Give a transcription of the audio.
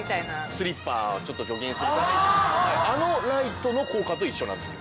スリッパをちょっと除菌するためのあのライトの効果と一緒なんですよ。